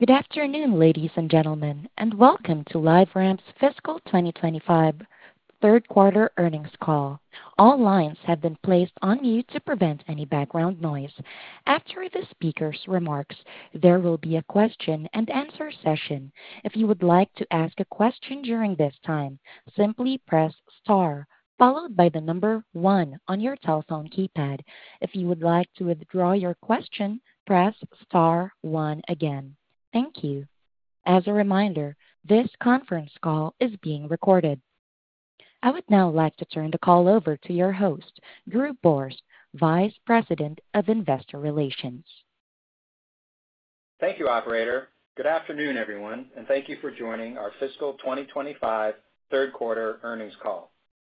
Good afternoon, ladies and gentlemen, and welcome to LiveRamp's Fiscal 2025 third-quarter earnings call. All lines have been placed on mute to prevent any background noise. After the speaker's remarks, there will be a question-and-answer session. If you would like to ask a question during this time, simply press star, followed by the number one on your telephone keypad. If you would like to withdraw your question, press star one again. Thank you. As a reminder, this conference call is being recorded. I would now like to turn the call over to your host, Drew Borst, Vice President of Investor Relations. Thank you, Operator. Good afternoon, everyone, and thank you for joining our Fiscal 2025 third-quarter earnings call.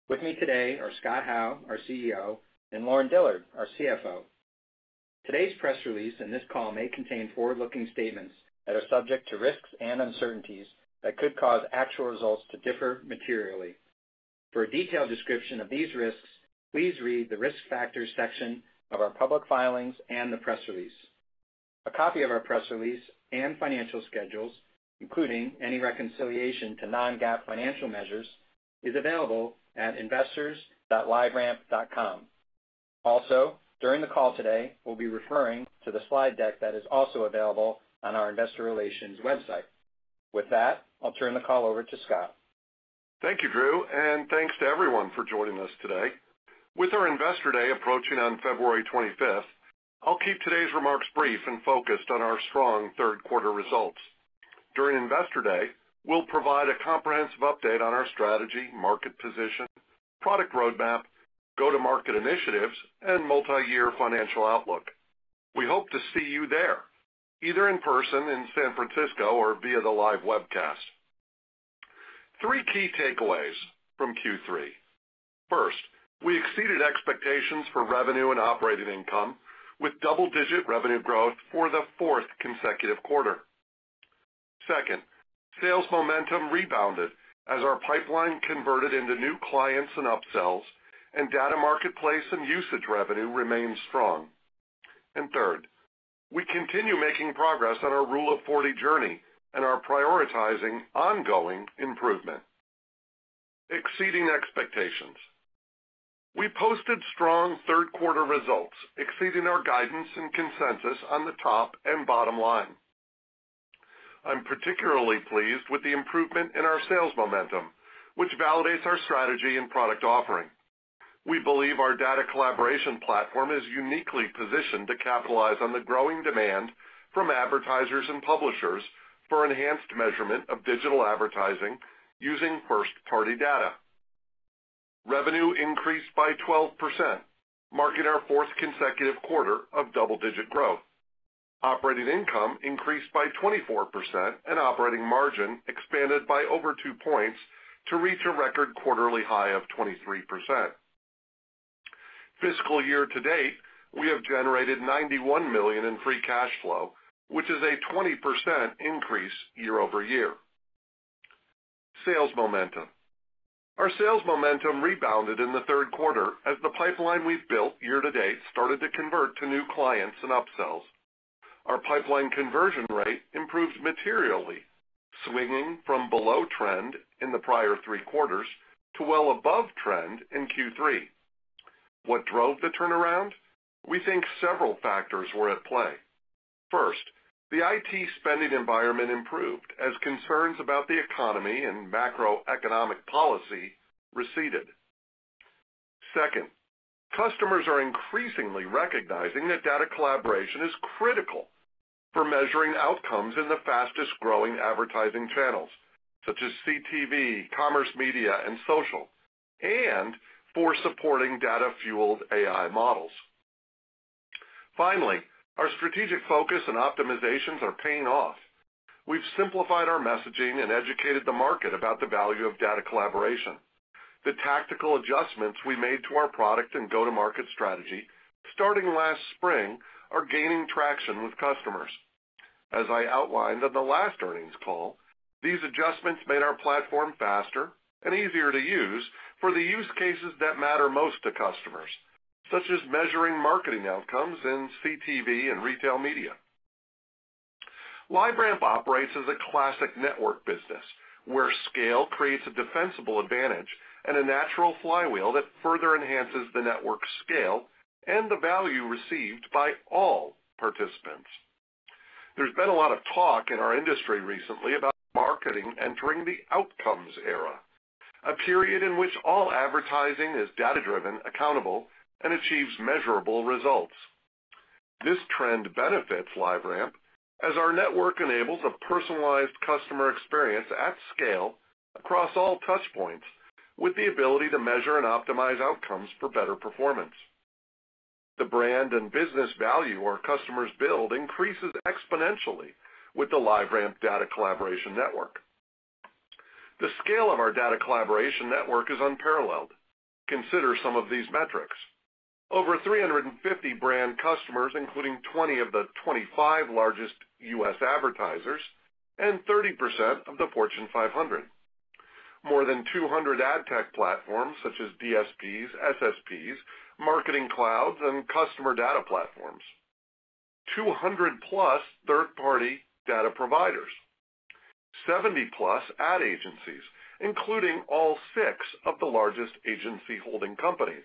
With me today are Scott Howe, our CEO, and Lauren Dillard, our CFO. Today's press release and this call may contain forward-looking statements that are subject to risks and uncertainties that could cause actual results to differ materially. For a detailed description of these risks, please read the risk factors section of our public filings and the press release. A copy of our press release and financial schedules, including any reconciliation to non-GAAP financial measures, is available at investors.liveramp.com. Also, during the call today, we'll be referring to the slide deck that is also available on our Investor Relations website. With that, I'll turn the call over to Scott. Thank you, Drew, and thanks to everyone for joining us today. With our Investor Day approaching on February 25th, I'll keep today's remarks brief and focused on our strong third-quarter results. During Investor Day, we'll provide a comprehensive update on our strategy, market position, product roadmap, go-to-market initiatives, and multi-year financial outlook. We hope to see you there, either in person in San Francisco or via the live webcast. Three key takeaways from Q3. First, we exceeded expectations for revenue and operating income with double-digit revenue growth for the fourth consecutive quarter. Second, sales momentum rebounded as our pipeline converted into new clients and upsells, and Data Marketplace and usage revenue remained strong. And third, we continue making progress on our Rule of 40 journey and are prioritizing ongoing improvement. Exceeding expectations. We posted strong third-quarter results, exceeding our guidance and consensus on the top and bottom line. I'm particularly pleased with the improvement in our sales momentum, which validates our strategy and product offering. We believe our Data Collaboration Platform is uniquely positioned to capitalize on the growing demand from advertisers and publishers for enhanced measurement of digital advertising using first-party data. Revenue increased by 12%, marking our fourth consecutive quarter of double-digit growth. Operating income increased by 24%, and operating margin expanded by over two points to reach a record quarterly high of 23%. Fiscal year to date, we have generated $91 million in free cash flow, which is a 20% increase year-over-year. Sales momentum. Our sales momentum rebounded in the third quarter as the pipeline we've built year to date started to convert to new clients and upsells. Our pipeline conversion rate improved materially, swinging from below trend in the prior three quarters to well above trend in Q3. What drove the turnaround? We think several factors were at play. First, the IT spending environment improved as concerns about the economy and macroeconomic policy receded. Second, customers are increasingly recognizing that data collaboration is critical for measuring outcomes in the fastest-growing advertising channels, such as CTV, commerce media, and social, and for supporting data-fueled AI models. Finally, our strategic focus and optimizations are paying off. We've simplified our messaging and educated the market about the value of data collaboration. The tactical adjustments we made to our product and go-to-market strategy, starting last spring, are gaining traction with customers. As I outlined on the last earnings call, these adjustments made our platform faster and easier to use for the use cases that matter most to customers, such as measuring marketing outcomes in CTV and retail media. LiveRamp operates as a classic network business, where scale creates a defensible advantage and a natural flywheel that further enhances the network's scale and the value received by all participants. There's been a lot of talk in our industry recently about marketing entering the outcomes era, a period in which all advertising is data-driven, accountable, and achieves measurable results. This trend benefits LiveRamp as our network enables a personalized customer experience at scale across all touchpoints, with the ability to measure and optimize outcomes for better performance. The brand and business value our customers build increases exponentially with the LiveRamp data collaboration network. The scale of our data collaboration network is unparalleled. Consider some of these metrics: over 350 brand customers, including 20 of the 25 largest U.S. advertisers and 30% of the Fortune 500. More than 200 ad tech platforms, such as DSPs, SSPs, marketing clouds, and customer data platforms. 200-plus third-party data providers. 70-plus ad agencies, including all six of the largest agency-holding companies.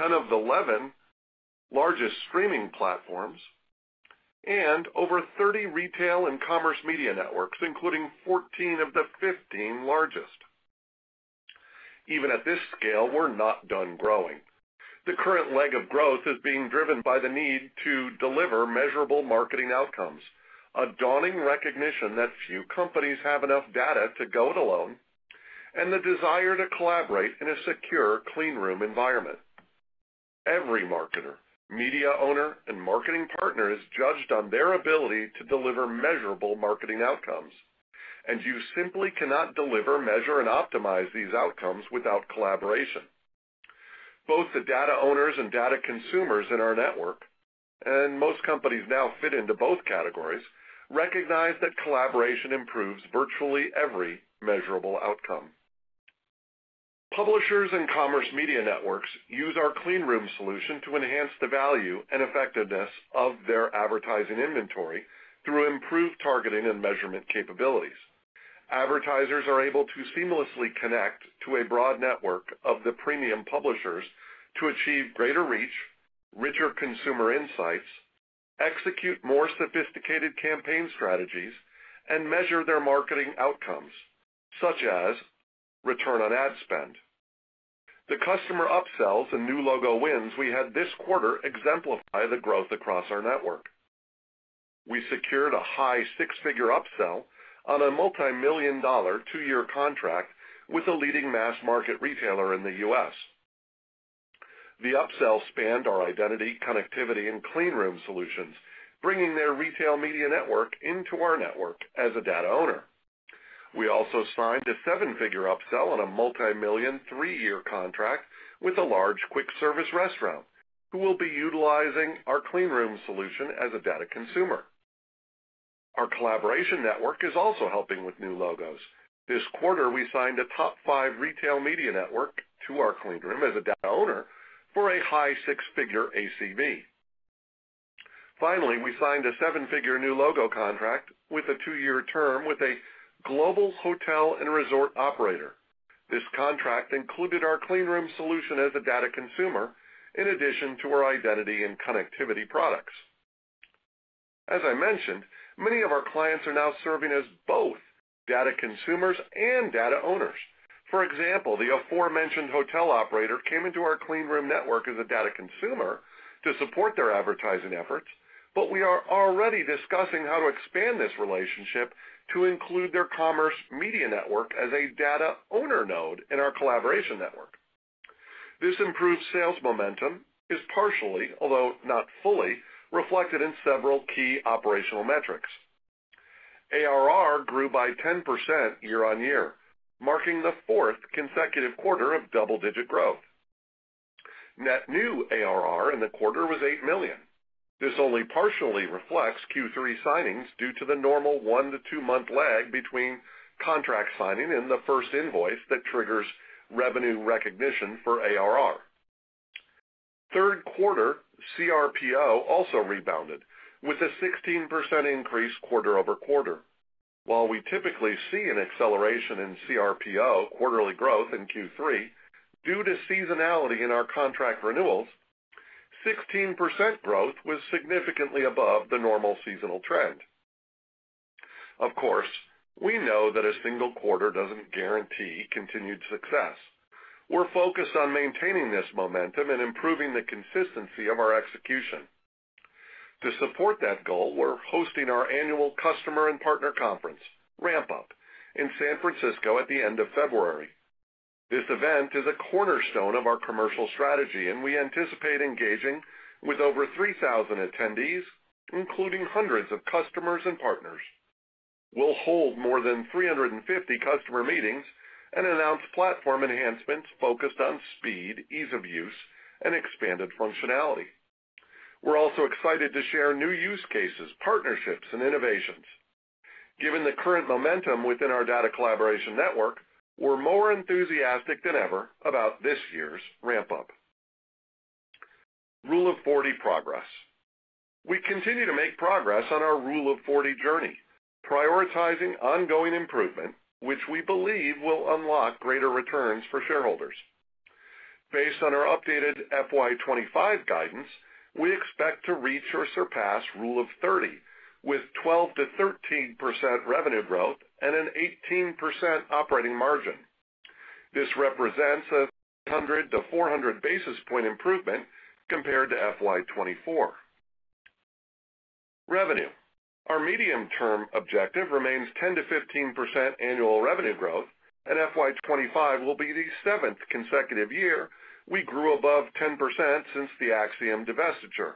10 of the 11 largest streaming platforms. And over 30 retail and commerce media networks, including 14 of the 15 largest. Even at this scale, we're not done growing. The current leg of growth is being driven by the need to deliver measurable marketing outcomes, a dawning recognition that few companies have enough data to go it alone, and the desire to collaborate in a secure, clean room environment. Every marketer, media owner, and marketing partner is judged on their ability to deliver measurable marketing outcomes, and you simply cannot deliver, measure, and optimize these outcomes without collaboration. Both the data owners and data consumers in our network, and most companies now fit into both categories, recognize that collaboration improves virtually every measurable outcome. Publishers and commerce media networks use our Clean Room Solution to enhance the value and effectiveness of their advertising inventory through improved targeting and measurement capabilities. Advertisers are able to seamlessly connect to a broad network of the premium publishers to achieve greater reach, richer consumer insights, execute more sophisticated campaign strategies, and measure their marketing outcomes, such as return on ad spend. The customer upsells and new logo wins we had this quarter exemplify the growth across our network. We secured a high six-figure upsell on a multi-million-dollar two-year contract with a leading mass market retailer in the U.S. The upsell spanned our Identity, Connectivity, and Clean Room Solutions, bringing their retail media network into our network as a data owner. We also signed a seven-figure upsell on a multi-million three-year contract with a large quick-service restaurant who will be utilizing our Clean Room Solution as a data consumer. Our collaboration network is also helping with new logos. This quarter, we signed a top five retail media network to our Clean Room as a data owner for a high six-figure ACV. Finally, we signed a seven-figure new logo contract with a two-year term with a global hotel and resort operator. This contract included our Clean Room Solution as a data consumer in addition to our Identity and Connectivity products. As I mentioned, many of our clients are now serving as both data consumers and data owners. For example, the aforementioned hotel operator came into our Clean Room network as a data consumer to support their advertising efforts, but we are already discussing how to expand this relationship to include their commerce media network as a data owner node in our collaboration network. This improved sales momentum is partially, although not fully, reflected in several key operational metrics. ARR grew by 10% year on year, marking the fourth consecutive quarter of double-digit growth. Net new ARR in the quarter was $8 million. This only partially reflects Q3 signings due to the normal one- to two-month lag between contract signing and the first invoice that triggers revenue recognition for ARR. Third quarter CRPO also rebounded with a 16% increase quarter-over-quarter. While we typically see an acceleration in CRPO quarterly growth in Q3 due to seasonality in our contract renewals, 16% growth was significantly above the normal seasonal trend. Of course, we know that a single quarter doesn't guarantee continued success. We're focused on maintaining this momentum and improving the consistency of our execution. To support that goal, we're hosting our annual customer and partner conference, RampUp, in San Francisco at the end of February. This event is a cornerstone of our commercial strategy, and we anticipate engaging with over 3,000 attendees, including hundreds of customers and partners. We'll hold more than 350 customer meetings and announce platform enhancements focused on speed, ease of use, and expanded functionality. We're also excited to share new use cases, partnerships, and innovations. Given the current momentum within our data collaboration network, we're more enthusiastic than ever about this year's RampUp. Rule of 40 progress. We continue to make progress on our Rule of 40 journey, prioritizing ongoing improvement, which we believe will unlock greater returns for shareholders. Based on our updated FY 2025 guidance, we expect to reach or surpass Rule of 30 with 12-13% revenue growth and an 18% operating margin. This represents a 300-400 basis point improvement compared to FY 2024. Revenue. Our medium-term objective remains 10-15% annual revenue growth, and FY 2025 will be the seventh consecutive year we grew above 10% since the Acxiom divestiture.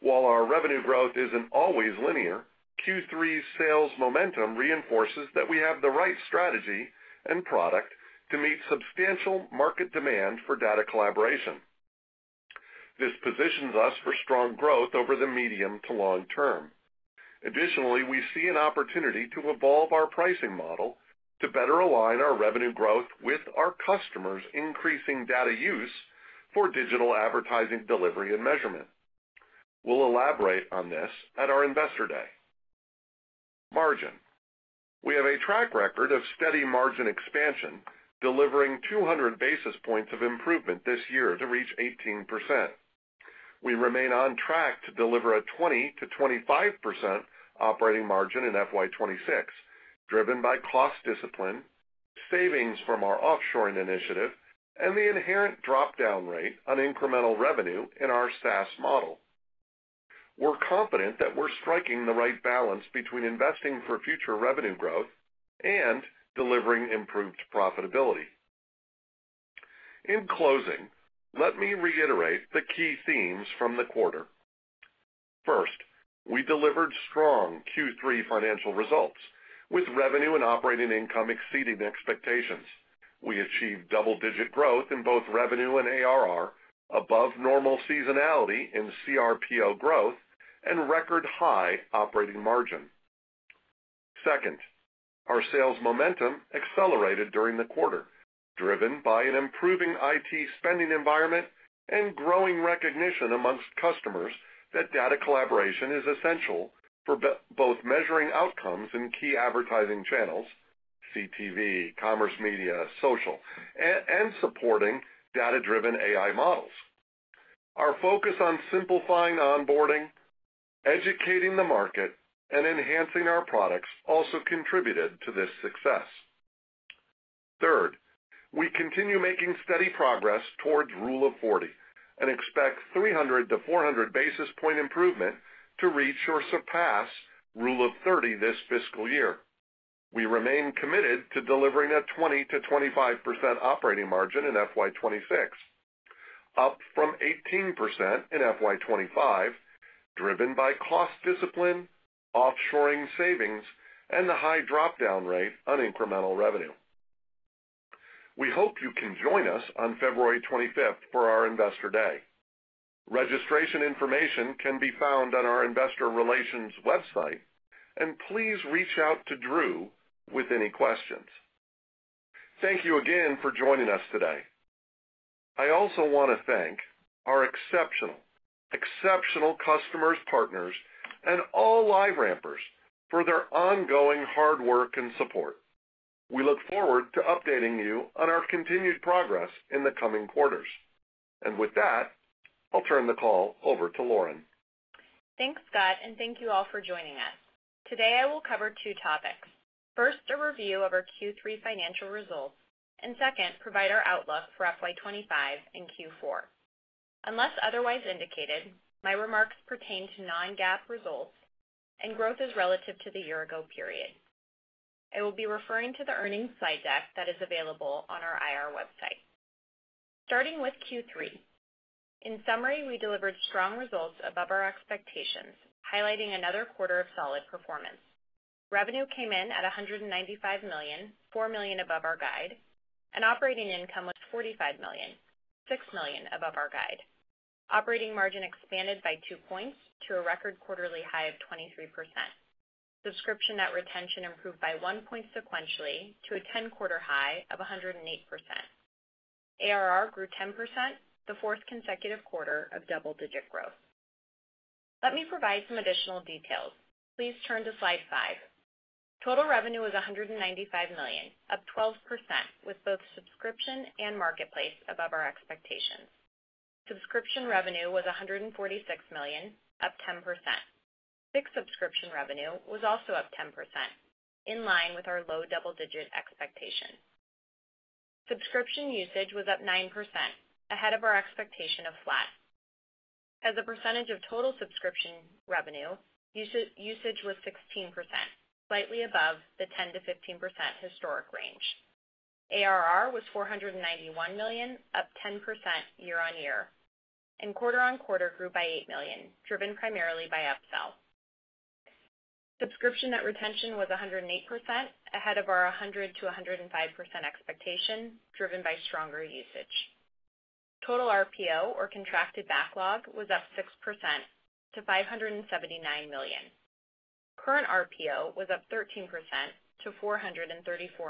While our revenue growth isn't always linear, Q3 sales momentum reinforces that we have the right strategy and product to meet substantial market demand for data collaboration. This positions us for strong growth over the medium to long term. Additionally, we see an opportunity to evolve our pricing model to better align our revenue growth with our customers' increasing data use for digital advertising delivery and measurement. We'll elaborate on this at our Investor Day. Margin. We have a track record of steady margin expansion, delivering 200 basis points of improvement this year to reach 18%. We remain on track to deliver a 20%-25% operating margin in FY 2026, driven by cost discipline, savings from our offshoring initiative, and the inherent dropdown rate on incremental revenue in our SaaS model. We're confident that we're striking the right balance between investing for future revenue growth and delivering improved profitability. In closing, let me reiterate the key themes from the quarter. First, we delivered strong Q3 financial results with revenue and operating income exceeding expectations. We achieved double-digit growth in both revenue and ARR, above normal seasonality in CRPO growth, and record-high operating margin. Second, our sales momentum accelerated during the quarter, driven by an improving IT spending environment and growing recognition among customers that data collaboration is essential for both measuring outcomes in key advertising channels - CTV, commerce media, social - and supporting data-driven AI models. Our focus on simplifying onboarding, educating the market, and enhancing our products also contributed to this success. Third, we continue making steady progress towards Rule of 40 and expect 300-400 basis point improvement to reach or surpass Rule of 30 this fiscal year. We remain committed to delivering a 20%-25% operating margin in FY 2026, up from 18% in FY 2025, driven by cost discipline, offshoring savings, and the high dropdown rate on incremental revenue. We hope you can join us on February 25th for our Investor Day. Registration information can be found on our investor relations website, and please reach out to Drew with any questions. Thank you again for joining us today. I also want to thank our exceptional, exceptional customers, partners, and all LiveRampers for their ongoing hard work and support. We look forward to updating you on our continued progress in the coming quarters. And with that, I'll turn the call over to Lauren. Thanks, Scott, and thank you all for joining us. Today, I will cover two topics. First, a review of our Q3 financial results, and second, provide our outlook for FY 2025 and Q4. Unless otherwise indicated, my remarks pertain to non-GAAP results and growth as relative to the year-ago period. I will be referring to the earnings slide deck that is available on our IR website. starting with Q3. In summary, we delivered strong results above our expectations, highlighting another quarter of solid performance. Revenue came in at $195 million, $4 million above our guide, and operating income was $45 million, $6 million above our guide. Operating margin expanded by two points to a record quarterly high of 23%. Subscription net retention improved by one point sequentially to a 10-quarter high of 108%. ARR grew 10% the fourth consecutive quarter of double-digit growth. Let me provide some additional details. Please turn to slide five. Total revenue was $195 million, up 12% with both subscription and marketplace above our expectations. Subscription revenue was $146 million, up 10%. Fixed subscription revenue was also up 10%, in line with our low double-digit expectation. Subscription usage was up 9%, ahead of our expectation of flat. As a percentage of total subscription revenue, usage was 16%, slightly above the 10%-15% historic range. ARR was $491 million, up 10% year-on-year, and quarter on quarter grew by $8 million, driven primarily by upsell. Subscription net retention was 108%, ahead of our 100%-105% expectation, driven by stronger usage. Total RPO, or contracted backlog, was up 6% to $579 million. Current RPO was up 13% to $434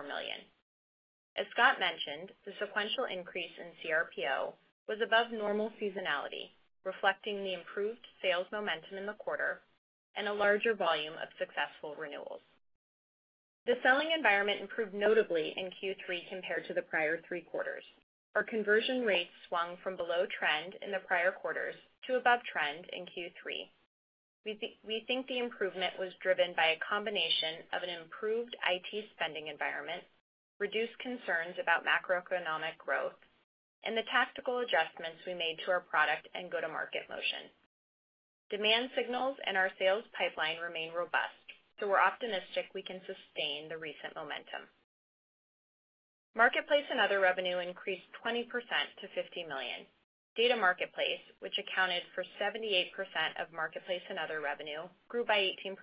million. As Scott mentioned, the sequential increase in CRPO was above normal seasonality, reflecting the improved sales momentum in the quarter and a larger volume of successful renewals. The selling environment improved notably in Q3 compared to the prior three quarters. Our conversion rates swung from below trend in the prior quarters to above trend in Q3. We think the improvement was driven by a combination of an improved IT spending environment, reduced concerns about macroeconomic growth, and the tactical adjustments we made to our product and go-to-market motion. Demand signals and our sales pipeline remain robust, so we're optimistic we can sustain the recent momentum. Marketplace and other revenue increased 20% to $50 million. Data Marketplace, which accounted for 78% of marketplace and other revenue, grew by 18%,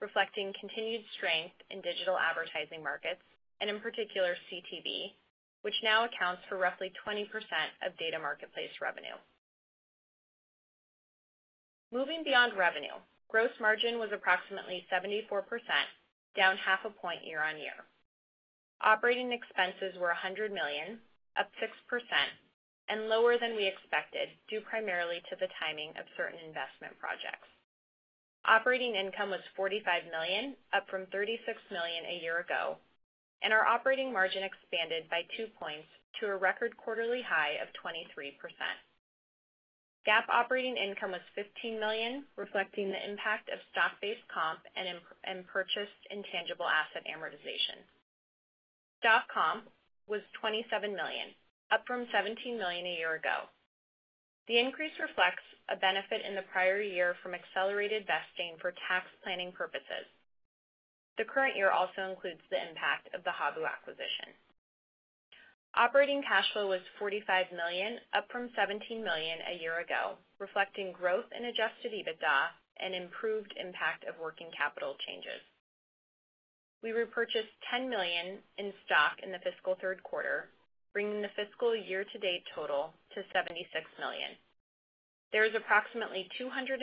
reflecting continued strength in digital advertising markets, and in particular CTV, which now accounts for roughly 20% of Data Marketplace revenue. Moving beyond revenue, gross margin was approximately 74%, down half a point year-on-year. Operating expenses were $100 million, up 6%, and lower than we expected due primarily to the timing of certain investment projects. Operating income was $45 million, up from $36 million a year ago, and our operating margin expanded by two points to a record quarterly high of 23%. GAAP operating income was $15 million, reflecting the impact of stock-based comp and purchased intangible asset amortization. Stock comp was $27 million, up from $17 million a year ago. The increase reflects a benefit in the prior year from accelerated vesting for tax planning purposes. The current year also includes the impact of the Habu acquisition. Operating cash flow was $45 million, up from $17 million a year ago, reflecting growth in adjusted EBITDA and improved impact of working capital changes. We repurchased $10 million in stock in the fiscal third quarter, bringing the fiscal year-to-date total to $76 million. There is approximately $282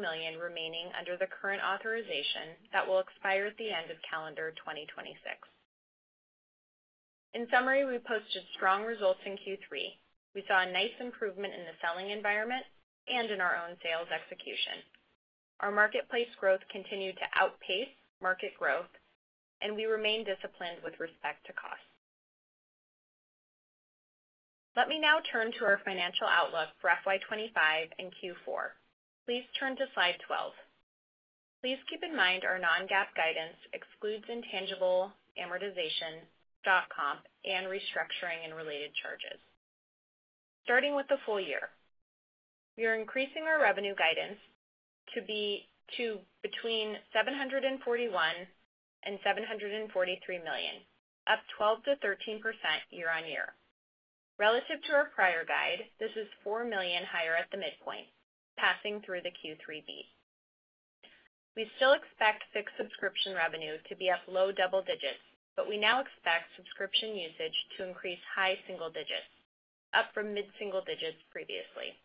million remaining under the current authorization that will expire at the end of calendar 2026. In summary, we posted strong results in Q3. We saw a nice improvement in the selling environment and in our own sales execution. Our marketplace growth continued to outpace market growth, and we remained disciplined with respect to cost. Let me now turn to our financial outlook for FY 2025 and Q4. Please turn to slide 12. Please keep in mind our non-GAAP guidance excludes intangible amortization, stock comp, and restructuring and related charges. starting with the full year, we are increasing our revenue guidance to be between $741 million-$743 million, up 12%-13% year-on-year. Relative to our prior guide, this is $4 million higher at the midpoint, passing through the Q3 beat. We still expect fixed subscription revenue to be up low double digits, but we now expect subscription usage to increase high single digits, up from mid-single digits previously.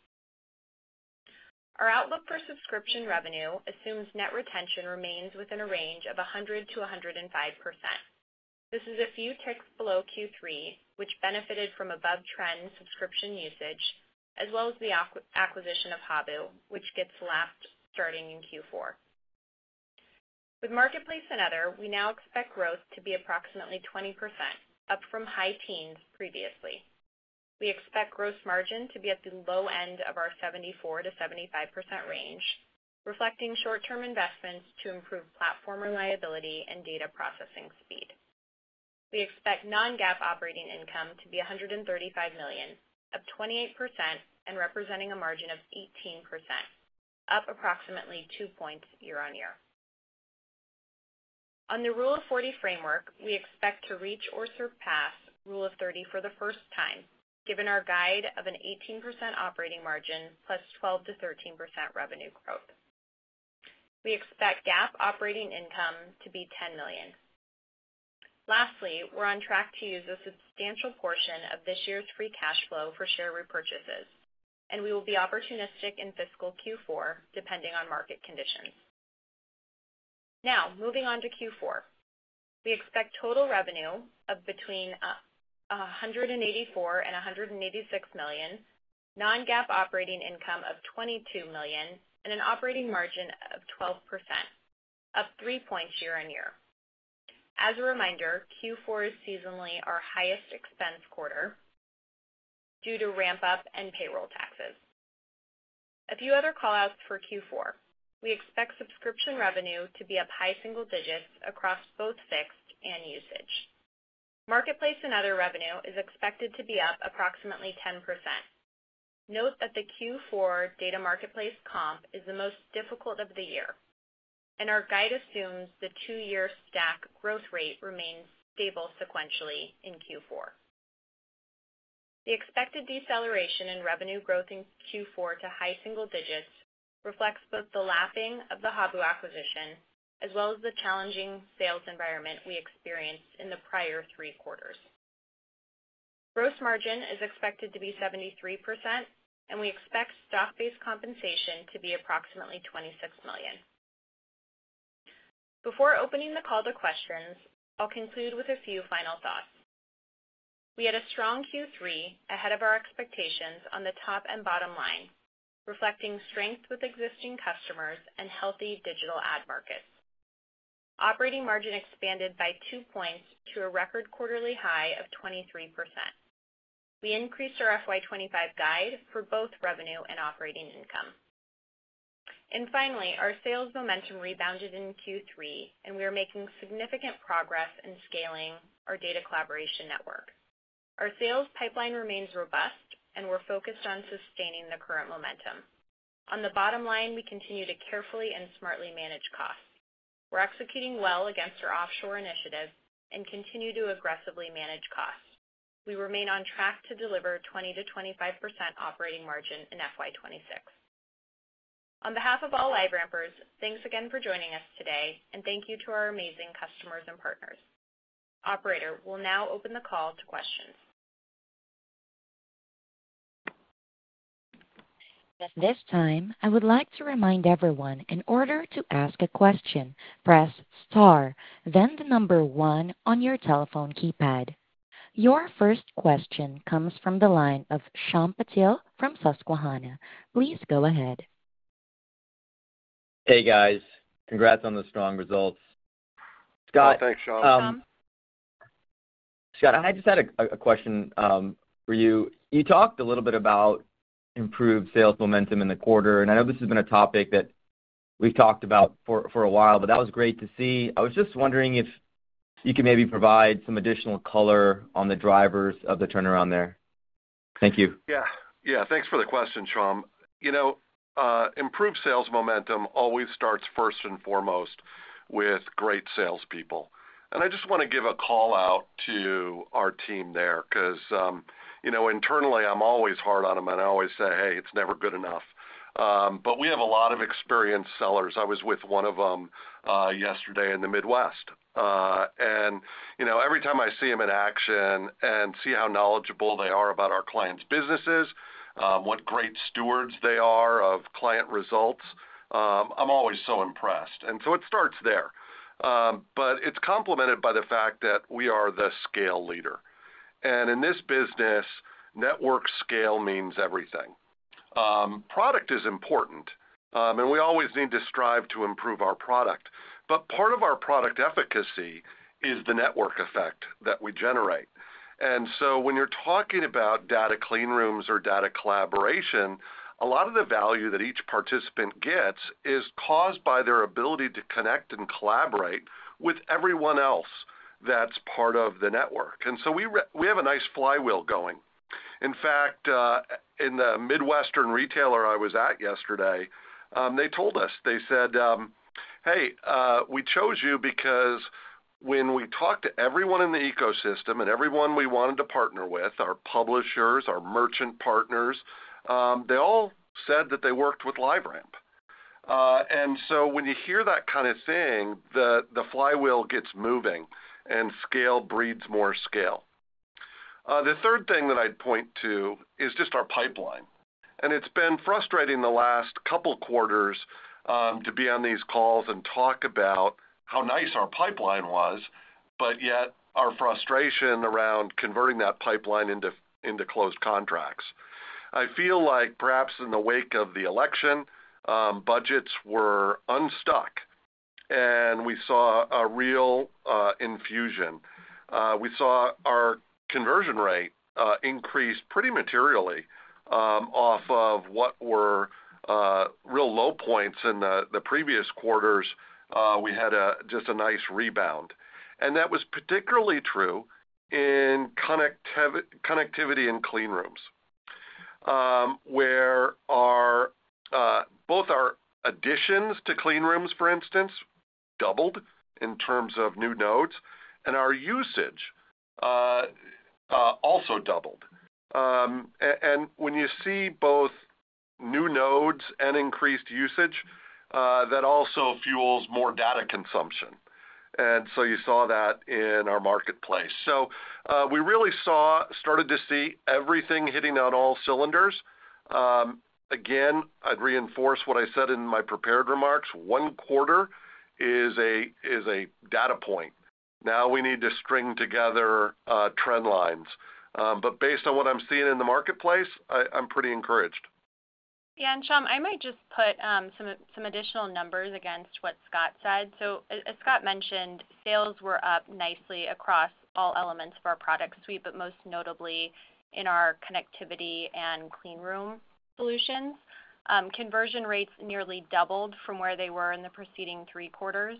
Our outlook for subscription revenue assumes net retention remains within a range of 100%-105%. This is a few ticks below Q3, which benefited from above-trend subscription usage, as well as the acquisition of Habu, which gets lapped starting in Q4. With marketplace and other, we now expect growth to be approximately 20%, up from high teens previously. We expect gross margin to be at the low end of our 74%-75% range, reflecting short-term investments to improve platform reliability and data processing speed. We expect non-GAAP operating income to be $135 million, up 28%, and representing a margin of 18%, up approximately two points year-on-year. On the Rule of 40 framework, we expect to reach or surpass Rule of 30 for the first time, given our guide of an 18% operating margin plus 12%-13% revenue growth. We expect GAAP operating income to be $10 million. Lastly, we're on track to use a substantial portion of this year's free cash flow for share repurchases, and we will be opportunistic in fiscal Q4, depending on market conditions. Now, moving on to Q4. We expect total revenue of between $184 and $186 million, non-GAAP operating income of $22 million, and an operating margin of 12%, up three points year-on-year. As a reminder, Q4 is seasonally our highest expense quarter due to RampUp and payroll taxes. A few other callouts for Q4. We expect subscription revenue to be up high single digits across both fixed and usage. Marketplace and other revenue is expected to be up approximately 10%. Note that the Q4 Data Marketplace comp is the most difficult of the year, and our guide assumes the two-year stack growth rate remains stable sequentially in Q4. The expected deceleration in revenue growth in Q4 to high single digits reflects both the lapping of the Habu acquisition as well as the challenging sales environment we experienced in the prior three quarters. Gross margin is expected to be 73%, and we expect stock-based compensation to be approximately $26 million. Before opening the call to questions, I'll conclude with a few final thoughts. We had a strong Q3 ahead of our expectations on the top and bottom line, reflecting strength with existing customers and healthy digital ad markets. Operating margin expanded by two points to a record quarterly high of 23%. We increased our FY 2025 guide for both revenue and operating income. And finally, our sales momentum rebounded in Q3, and we are making significant progress in scaling our data collaboration network. Our sales pipeline remains robust, and we're focused on sustaining the current momentum. On the bottom line, we continue to carefully and smartly manage costs. We're executing well against our offshore initiative and continue to aggressively manage costs. We remain on track to deliver 20%-25% operating margin in FY 2026. On behalf of all LiveRampers, thanks again for joining us today, and thank you to our amazing customers and partners. Operator, we'll now open the call to questions. This time, I would like to remind everyone in order to ask a question, press star, then the number one on your telephone keypad. Your first question comes from the line of Shyam Patil from Susquehanna. Please go ahead. Hey, guys. Congrats on the strong results. Scott. Oh, thanks, Shyam. Scott, I just had a question for you. You talked a little bit about improved sales momentum in the quarter, and I know this has been a topic that we've talked about for a while, but that was great to see. I was just wondering if you could maybe provide some additional color on the drivers of the turnaround there. Thank you. Yeah. Yeah. Thanks for the question, Shyam. Improved sales momentum always starts first and foremost with great salespeople. And I just want to give a call out to our team there because internally, I'm always hard on them, and I always say, "Hey, it's never good enough." But we have a lot of experienced sellers. I was with one of them yesterday in the Midwest. And every time I see them in action and see how knowledgeable they are about our clients' businesses, what great stewards they are of client results, I'm always so impressed. And so it starts there. But it's complemented by the fact that we are the scale leader. And in this business, network scale means everything. Product is important, and we always need to strive to improve our product. But part of our product efficacy is the network effect that we generate. And so when you're talking about data Clean Rooms or data collaboration, a lot of the value that each participant gets is caused by their ability to connect and collaborate with everyone else that's part of the network. And so we have a nice flywheel going. In fact, in the Midwestern retailer I was at yesterday, they told us, they said, "Hey, we chose you because when we talked to everyone in the ecosystem and everyone we wanted to partner with, our publishers, our merchant partners, they all said that they worked with LiveRamp." And so when you hear that kind of thing, the flywheel gets moving, and scale breeds more scale. The third thing that I'd point to is just our pipeline. And it's been frustrating the last couple quarters to be on these calls and talk about how nice our pipeline was, but yet our frustration around converting that pipeline into closed contracts. I feel like perhaps in the wake of the election, budgets were unstuck, and we saw a real infusion. We saw our conversion rate increase pretty materially off of what were real low points in the previous quarters. We had just a nice rebound. And that was particularly true in Connectivity and Clean Rooms, where both our additions to Clean Rooms, for instance, doubled in terms of new nodes, and our usage also doubled. And when you see both new nodes and increased usage, that also fuels more data consumption. And so, you saw that in our marketplace. So, we really started to see everything hitting on all cylinders. Again, I'd reinforce what I said in my prepared remarks. One quarter is a data point. Now we need to string together trend lines. But based on what I'm seeing in the marketplace, I'm pretty encouraged. Yeah. And Shyam, I might just put some additional numbers against what Scott said. So as Scott mentioned, sales were up nicely across all elements of our product suite, but most notably in our Connectivity and Clean Room Solutions. Conversion rates nearly doubled from where they were in the preceding three quarters.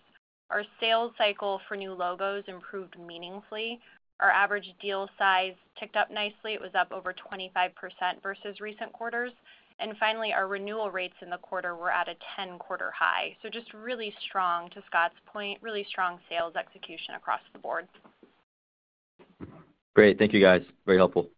Our sales cycle for new logos improved meaningfully. Our average deal size ticked up nicely. It was up over 25% versus recent quarters. And finally, our renewal rates in the quarter were at a 10-quarter high. So just really strong, to Scott's point, really strong sales execution across the board. Great. Thank you, guys. Very helpful.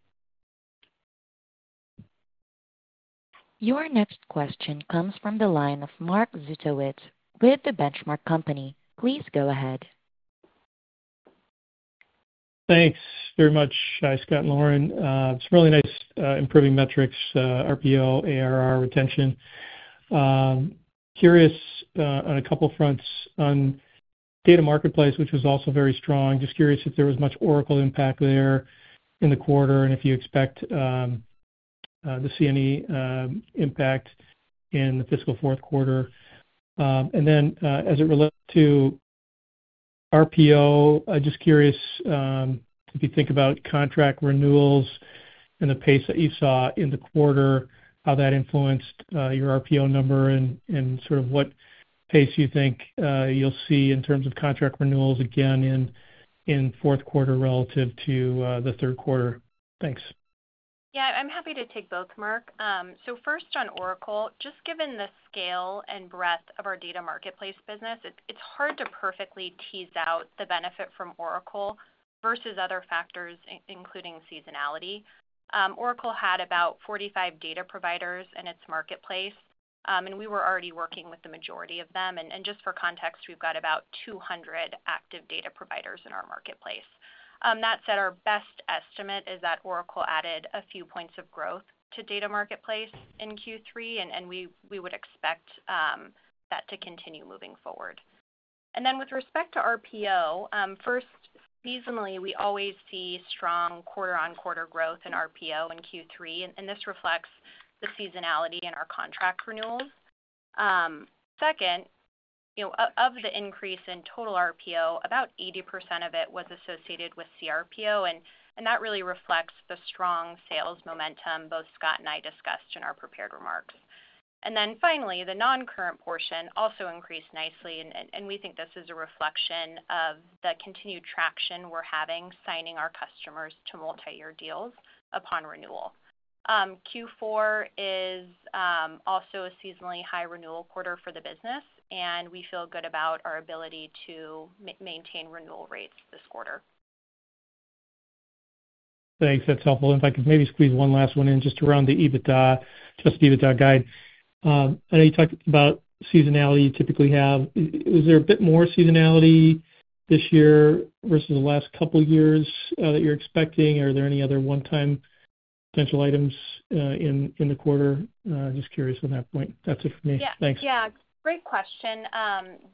Your next question comes from the line of Mark Zgutowicz with The Benchmark Company. Please go ahead. Thanks very much, Scott, Lauren. It's really nice improving metrics, RPO, ARR, retention. Curious on a couple fronts. On Data Marketplace, which was also very strong, just curious if there was much Oracle impact there in the quarter and if you expect to see any impact in the fiscal fourth quarter. And then as it relates to RPO, I'm just curious if you think about contract renewals and the pace that you saw in the quarter, how that influenced your RPO number and sort of what pace you think you'll see in terms of contract renewals again in fourth quarter relative to the third quarter? Thanks. Yeah. I'm happy to take both, Mark. So first on Oracle, just given the scale and breadth of our Data Marketplace business, it's hard to perfectly tease out the benefit from Oracle versus other factors, including seasonality. Oracle had about 45 data providers in its marketplace, and we were already working with the majority of them. And just for context, we've got about 200 active data providers in our marketplace. That said, our best estimate is that Oracle added a few points of growth to Data Marketplace in Q3, and we would expect that to continue moving forward. And then with respect to RPO, first, seasonally, we always see strong quarter-on-quarter growth in RPO in Q3, and this reflects the seasonality in our contract renewals. Second, of the increase in total RPO, about 80% of it was associated with CRPO, and that really reflects the strong sales momentum both Scott and I discussed in our prepared remarks. And then finally, the non-current portion also increased nicely, and we think this is a reflection of the continued traction we're having signing our customers to multi-year deals upon renewal. Q4 is also a seasonally high renewal quarter for the business, and we feel good about our ability to maintain renewal rates this quarter. Thanks. That's helpful. In fact, if maybe squeeze one last one in just around the EBITDA, just the EBITDA guide? I know you talked about seasonality you typically have. Is there a bit more seasonality this year versus the last couple years that you're expecting? Are there any other one-time potential items in the quarter? Just curious on that point. That's it for me. Thanks. Yeah. Great question.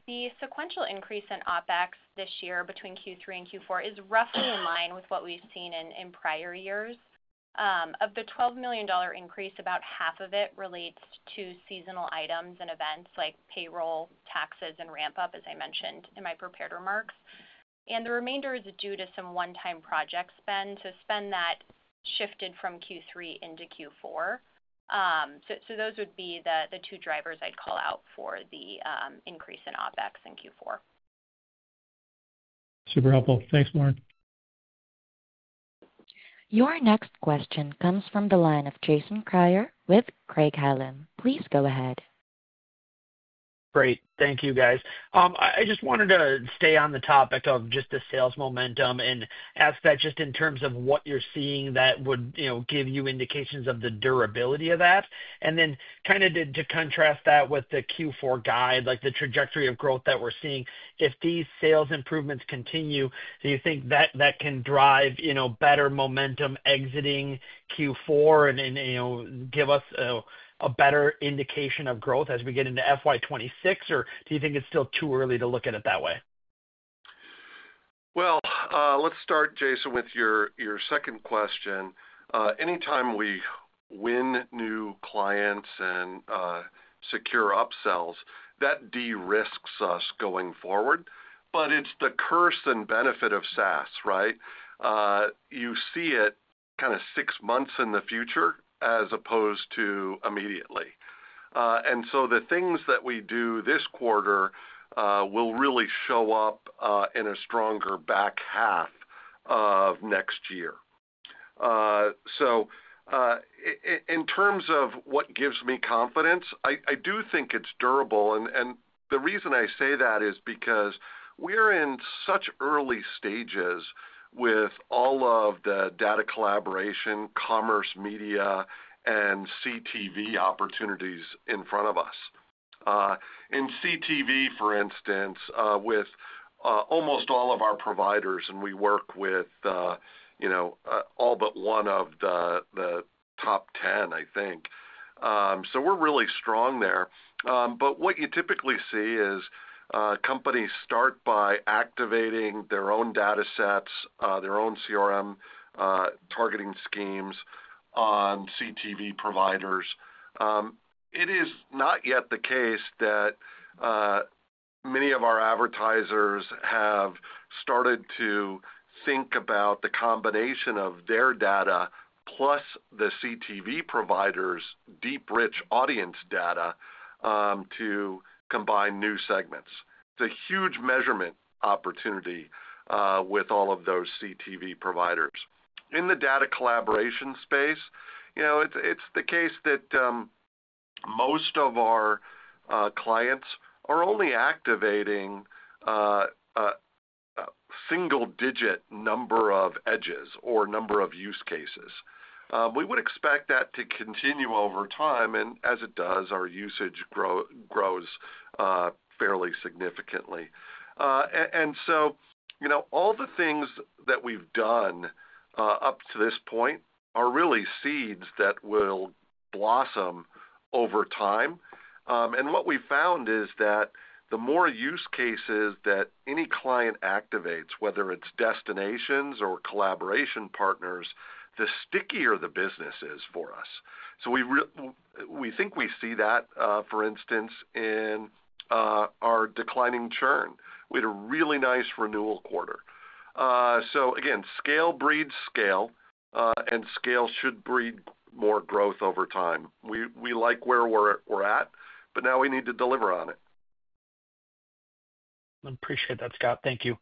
The sequential increase in OpEx this year between Q3 and Q4 is roughly in line with what we've seen in prior years. Of the $12 million increase, about half of it relates to seasonal items and events like payroll, taxes, and RampUp, as I mentioned in my prepared remarks. And the remainder is due to some one-time project spend. So, spend that shifted from Q3 into Q4. So those would be the two drivers I'd call out for the increase in OpEx in Q4. Super helpful. Thanks, Lauren. Your next question comes from the line of Jason Kreyer with Craig-Hallum. Please go ahead. Great. Thank you, guys. I just wanted to stay on the topic of just the sales momentum and ask that just in terms of what you're seeing that would give you indications of the durability of that. And then kind of to contrast that with the Q4 guide, the trajectory of growth that we're seeing, if these sales improvements continue, do you think that can drive better momentum exiting Q4 and give us a better indication of growth as we get into FY 2026, or do you think it's still too early to look at it that way? Well, let's start, Jason, with your second question. Anytime we win new clients and secure upsells, that de-risks us going forward. But it's the curse and benefit of SaaS, right? You see it kind of six months in the future as opposed to immediately, and so the things that we do this quarter will really show up in a stronger back half of next year, so in terms of what gives me confidence, I do think it's durable, and the reason I say that is because we're in such early stages with all of the data collaboration, commerce media, and CTV opportunities in front of us. In CTV, for instance, with almost all of our providers, and we work with all but one of the top 10, I think, so we're really strong there, but what you typically see is companies start by activating their own data sets, their own CRM targeting schemes on CTV providers. It is not yet the case that many of our advertisers have started to think about the combination of their data plus the CTV providers' deep rich audience data to combine new segments. It's a huge measurement opportunity with all of those CTV providers. In the data collaboration space, it's the case that most of our clients are only activating a single-digit number of edges or number of use cases. We would expect that to continue over time, and as it does, our usage grows fairly significantly. And so all the things that we've done up to this point are really seeds that will blossom over time. And what we found is that the more use cases that any client activates, whether it's destinations or collaboration partners, the stickier the business is for us. So we think we see that, for instance, in our declining churn. We had a really nice renewal quarter. So again, scale breeds scale, and scale should breed more growth over time. We like where we're at, but now we need to deliver on it. I appreciate that, Scott. Thank you.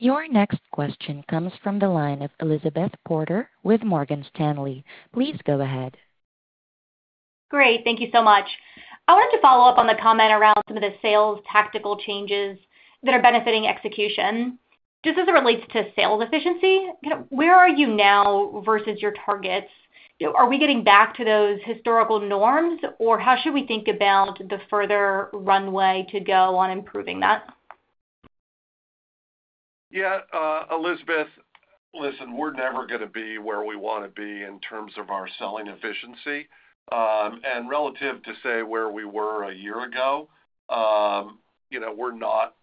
Your next question comes from the line of Elizabeth Porter with Morgan Stanley. Please go ahead. Great. Thank you so much. I wanted to follow up on the comment around some of the sales tactical changes that are benefiting execution. Just as it relates to sales efficiency, where are you now versus your targets? Are we getting back to those historical norms, or how should we think about the further runway to go on improving that? Yeah. Elizabeth, listen, we're never going to be where we want to be in terms of our selling efficiency. Relative to say where we were a year ago, we're not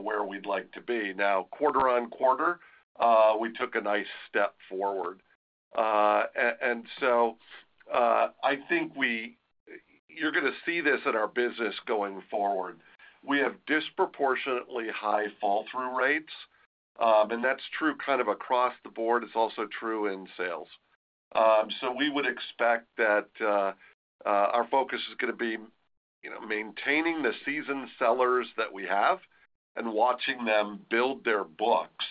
where we'd like to be. Now, quarter on quarter, we took a nice step forward. I think you're going to see this in our business going forward. We have disproportionately high fall-through rates, and that's true kind of across the board. It's also true in sales. We would expect that our focus is going to be maintaining the seasoned sellers that we have and watching them build their books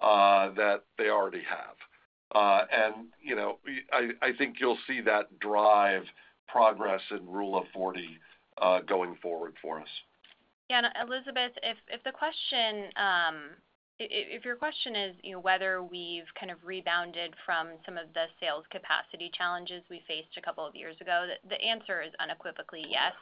that they already have. I think you'll see that drive progress in Rule of 40 going forward for us. Yeah. Elizabeth, if your question is whether we've kind of rebounded from some of the sales capacity challenges we faced a couple of years ago, the answer is unequivocally yes.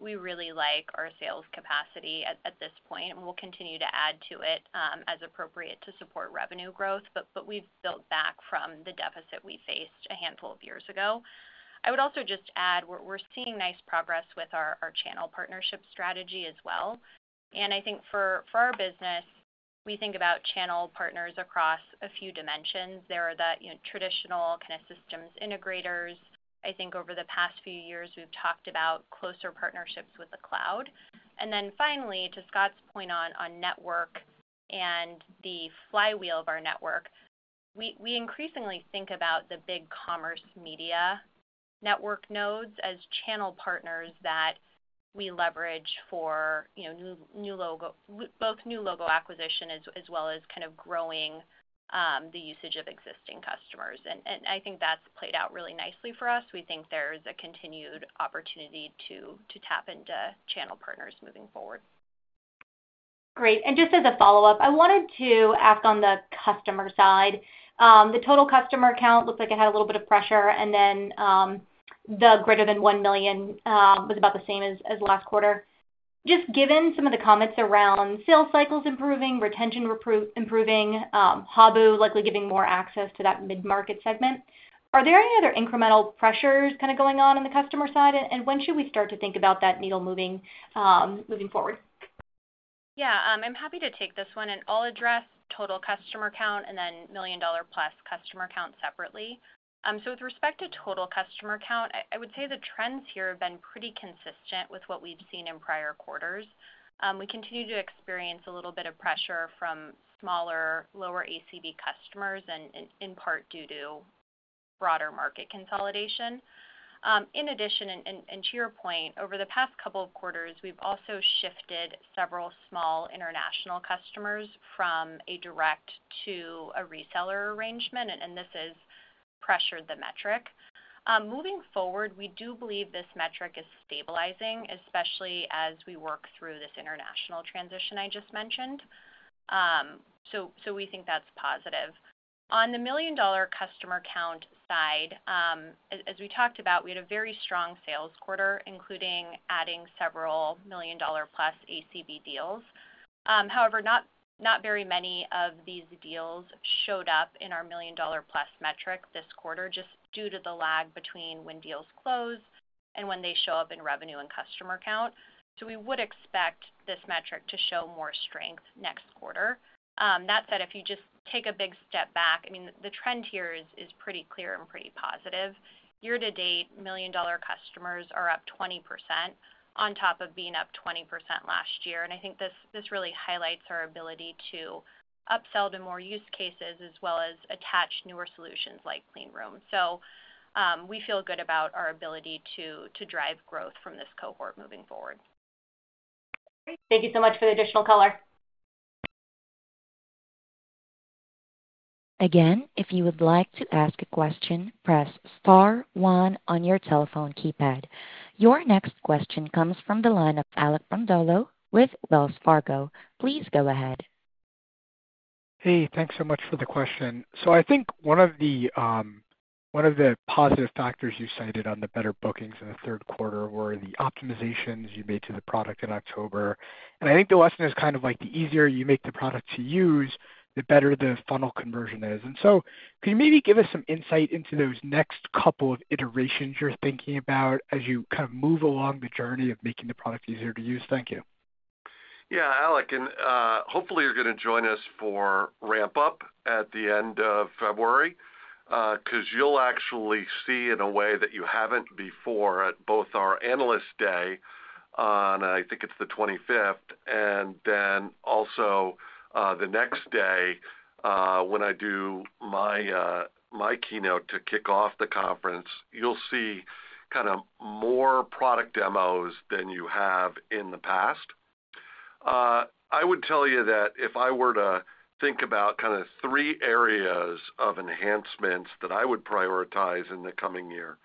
We really like our sales capacity at this point, and we'll continue to add to it as appropriate to support revenue growth, but we've built back from the deficit we faced a handful of years ago. I would also just add we're seeing nice progress with our channel partnership strategy as well, and I think for our business, we think about channel partners across a few dimensions. There are the traditional kind of systems integrators. I think over the past few years, we've talked about closer partnerships with the cloud, and then finally, to Scott's point on network and the flywheel of our network, we increasingly think about the big commerce media network nodes as channel partners that we leverage for both new logo acquisition as well as kind of growing the usage of existing customers, and I think that's played out really nicely for us. We think there's a continued opportunity to tap into channel partners moving forward. Great. And just as a follow-up, I wanted to ask on the customer side. The total customer count looks like it had a little bit of pressure, and then the greater than 1 million was about the same as last quarter. Just given some of the comments around sales cycles improving, retention improving, Habu likely giving more access to that mid-market segment, are there any other incremental pressures kind of going on on the customer side? And when should we start to think about that needle moving forward? Yeah. I'm happy to take this one, and I'll address total customer count and then million-dollar-plus customer count separately. So with respect to total customer count, I would say the trends here have been pretty consistent with what we've seen in prior quarters. We continue to experience a little bit of pressure from smaller, lower ACV customers in part due to broader market consolidation. In addition, and to your point, over the past couple of quarters, we've also shifted several small international customers from a direct to a reseller arrangement, and this has pressured the metric. Moving forward, we do believe this metric is stabilizing, especially as we work through this international transition I just mentioned. So we think that's positive. On the million-dollar customer count side, as we talked about, we had a very strong sales quarter, including adding several million-dollar-plus ACV deals. However, not very many of these deals showed up in our million-dollar-plus metric this quarter just due to the lag between when deals close and when they show up in revenue and customer count. So we would expect this metric to show more strength next quarter. That said, if you just take a big step back, I mean, the trend here is pretty clear and pretty positive. Year-to-date, million-dollar customers are up 20% on top of being up 20% last year. And I think this really highlights our ability to upsell to more use cases as well as attach newer solutions like Clean Room. So we feel good about our ability to drive growth from this cohort moving forward. Great. Thank you so much for the additional color. Again, if you would like to ask a question, press star one on your telephone keypad. Your next question comes from the line of Alec Brondolo with Wells Fargo. Please go ahead. Hey, thanks so much for the question. So I think one of the positive factors you cited on the better bookings in the third quarter were the optimizations you made to the product in October. And I think the lesson is kind of like the easier you make the product to use, the better the funnel conversion is. And so could you maybe give us some insight into those next couple of iterations you're thinking about as you kind of move along the journey of making the product easier to use? Thank you. Yeah. Alec, and hopefully, you're going to join us for RampUp at the end of February because you'll actually see in a way that you haven't before at both our Analyst Day on, I think it's the 25th, and then also the next day when I do my keynote to kick off the conference, you'll see kind of more product demos than you have in the past. I would tell you that if I were to think about kind of three areas of enhancements that I would prioritize in the coming year,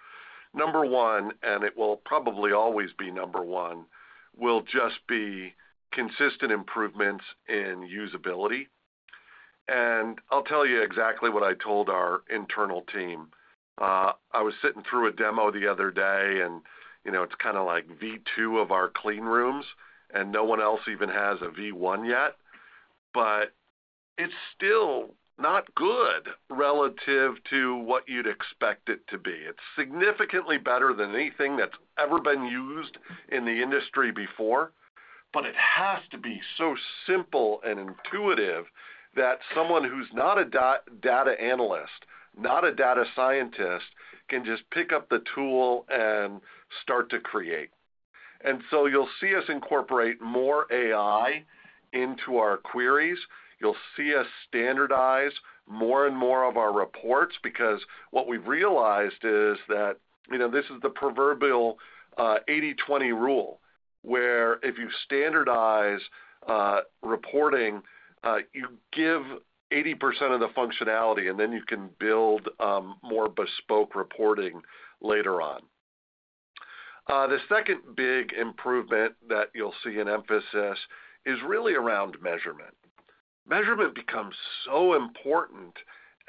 number one, and it will probably always be number one, will just be consistent improvements in usability, and I'll tell you exactly what I told our internal team. I was sitting through a demo the other day, and it's kind of like V2 of our Clean Rooms, and no one else even has a V1 yet, but it's still not good relative to what you'd expect it to be. It's significantly better than anything that's ever been used in the industry before, but it has to be so simple and intuitive that someone who's not a data analyst, not a data scientist, can just pick up the tool and start to create, and so you'll see us incorporate more AI into our queries. You'll see us standardize more and more of our reports because what we've realized is that this is the proverbial 80/20 rule where if you standardize reporting, you give 80% of the functionality, and then you can build more bespoke reporting later on. The second big improvement that you'll see in emphasis is really around measurement. Measurement becomes so important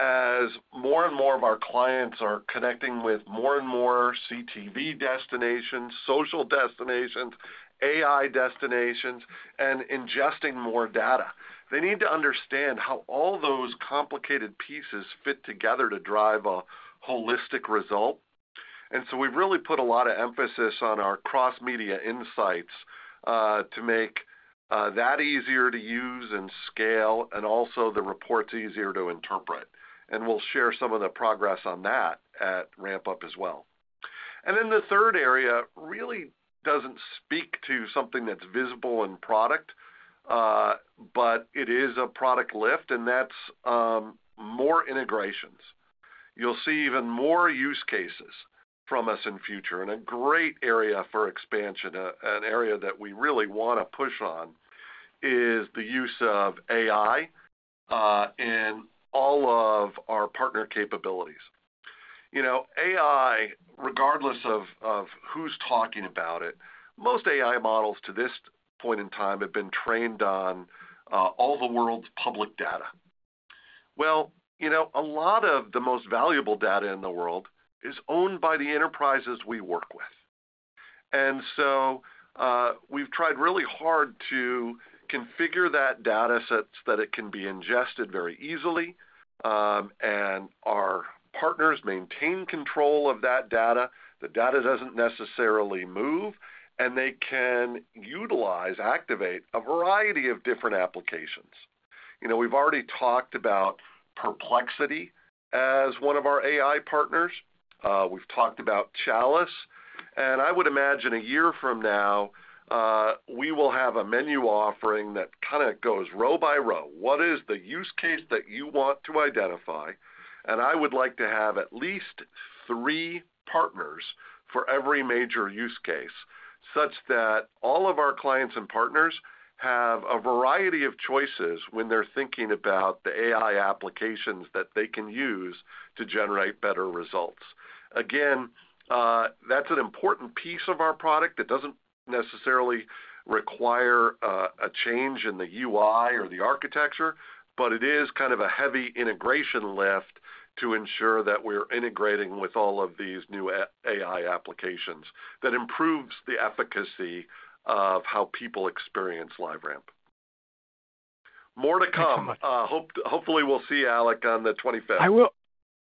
as more and more of our clients are connecting with more and more CTV destinations, social destinations, AI destinations, and ingesting more data. They need to understand how all those complicated pieces fit together to drive a holistic result. And so we've really put a lot of emphasis on our cross-media insights to make that easier to use and scale, and also the reports easier to interpret. And we'll share some of the progress on that at RampUp as well. And then the third area really doesn't speak to something that's visible in product, but it is a product lift, and that's more integrations. You'll see even more use cases from us in future. And a great area for expansion, an area that we really want to push on, is the use of AI in all of our partner capabilities. AI, regardless of who's talking about it, most AI models to this point in time have been trained on all the world's public data. Well, a lot of the most valuable data in the world is owned by the enterprises we work with. And so we've tried really hard to configure that data so that it can be ingested very easily, and our partners maintain control of that data. The data doesn't necessarily move, and they can utilize, activate a variety of different applications. We've already talked about Perplexity as one of our AI partners. We've talked about Chalice. And I would imagine a year from now, we will have a menu offering that kind of goes row by row. What is the use case that you want to identify? And I would like to have at least three partners for every major use case such that all of our clients and partners have a variety of choices when they're thinking about the AI applications that they can use to generate better results. Again, that's an important piece of our product that doesn't necessarily require a change in the UI or the architecture, but it is kind of a heavy integration lift to ensure that we're integrating with all of these new AI applications that improves the efficacy of how people experience LiveRamp. More to come. Hopefully, we'll see Alec on the 25th.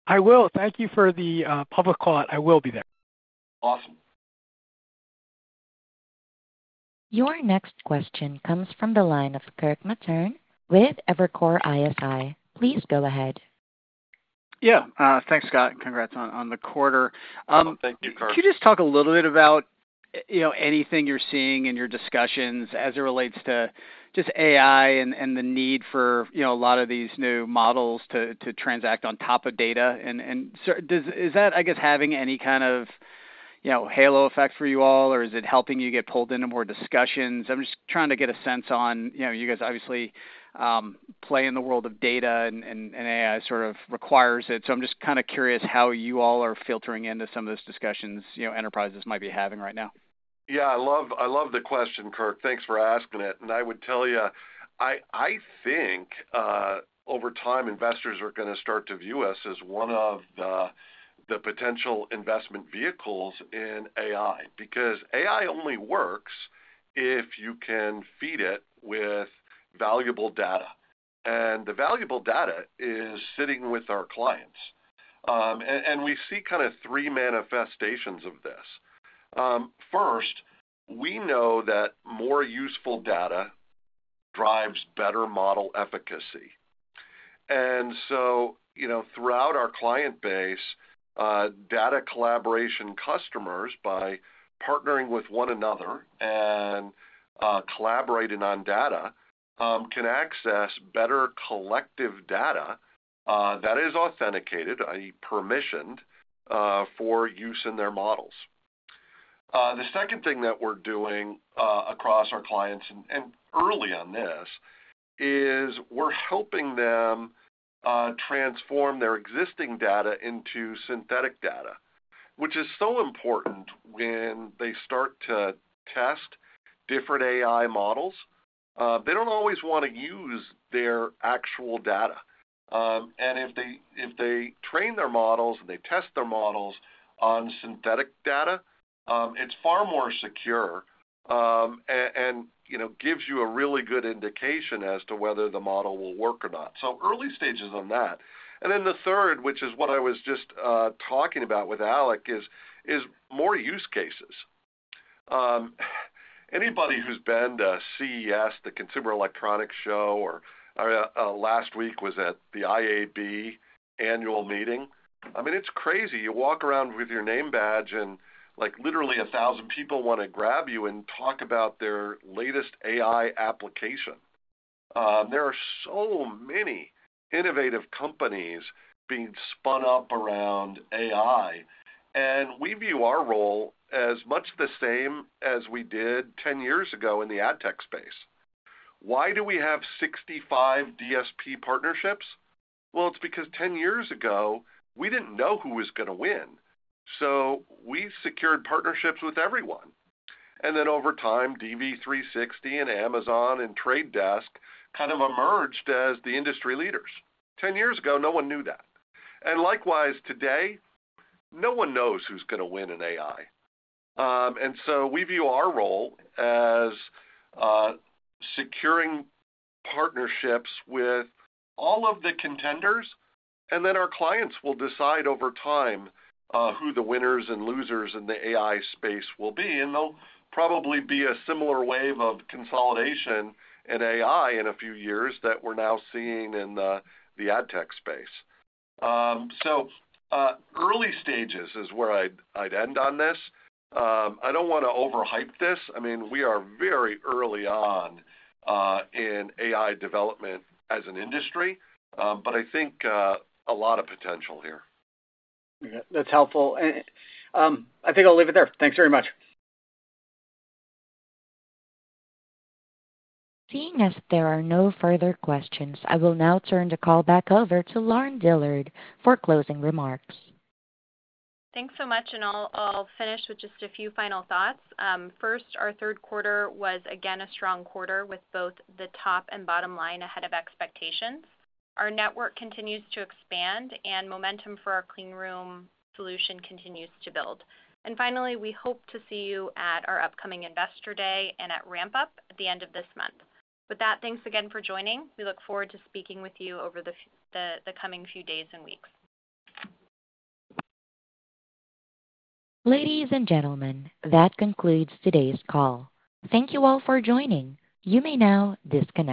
I will. Thank you for the public call. I will be there. Awesome. Your next question comes from the line of Kirk Materne with Evercore ISI. Please go ahead. Yeah. Thanks, Scott. Congrats on the quarter. Thank you, Kirk. Could you just talk a little bit about anything you're seeing in your discussions as it relates to just AI and the need for a lot of these new models to transact on top of data? And is that, I guess, having any kind of halo effect for you all, or is it helping you get pulled into more discussions? I'm just trying to get a sense on you guys obviously play in the world of data, and AI sort of requires it. So I'm just kind of curious how you all are filtering into some of those discussions enterprises might be having right now. Yeah. I love the question, Kirk. Thanks for asking it, and I would tell you, I think over time, investors are going to start to view us as one of the potential investment vehicles in AI because AI only works if you can feed it with valuable data, and the valuable data is sitting with our clients, and we see kind of three manifestations of this. First, we know that more useful data drives better model efficacy, and so throughout our client base, data collaboration customers, by partnering with one another and collaborating on data, can access better collective data that is authenticated, i.e., permissioned for use in their models. The second thing that we're doing across our clients and early on this is we're helping them transform their existing data into synthetic data, which is so important when they start to test different AI models. They don't always want to use their actual data. If they train their models and they test their models on synthetic data, it's far more secure and gives you a really good indication as to whether the model will work or not. So early stages on that. And then the third, which is what I was just talking about with Alec, is more use cases. Anybody who's been to CES, the Consumer Electronics Show, or last week was at the IAB annual meeting, I mean, it's crazy. You walk around with your name badge, and literally a thousand people want to grab you and talk about their latest AI application. There are so many innovative companies being spun up around AI, and we view our role as much the same as we did 10 years ago in the ad tech space. Why do we have 65 DSP partnerships? Well, it's because 10 years ago, we didn't know who was going to win. So we secured partnerships with everyone. And then over time, DV360 and Amazon and Trade Desk kind of emerged as the industry leaders. 10 years ago, no one knew that. And likewise, today, no one knows who's going to win in AI. And so we view our role as securing partnerships with all of the contenders, and then our clients will decide over time who the winners and losers in the AI space will be. And there'll probably be a similar wave of consolidation in AI in a few years that we're now seeing in the ad tech space. So early stages is where I'd end on this. I don't want to overhype this. I mean, we are very early on in AI development as an industry, but I think a lot of potential here. That's helpful. I think I'll leave it there. Thanks very much. Seeing as there are no further questions, I will now turn the call back over to Lauren Dillard for closing remarks. Thanks so much, and I'll finish with just a few final thoughts. First, our third quarter was, again, a strong quarter with both the top and bottom line ahead of expectations. Our network continues to expand, and momentum for our Clean Room Solution continues to build, and finally, we hope to see you at our upcoming Investor Day and at RampUp at the end of this month. With that, thanks again for joining. We look forward to speaking with you over the coming few days and weeks. Ladies and gentlemen, that concludes today's call. Thank you all for joining. You may now disconnect.